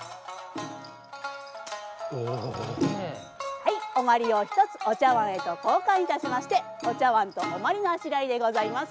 はいお鞠を１つお茶碗へと交換いたしましてお茶碗とお鞠のあしらいでございます。